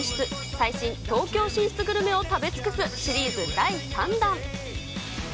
最新、東京進出グルメを食べ尽くす、シリーズ第３弾。